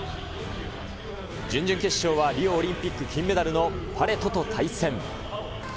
準々決勝はリオオリンピック金メダルのパレトと対戦。